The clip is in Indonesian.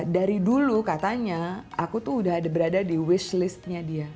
dari dulu katanya aku tuh udah berada di wish listnya dia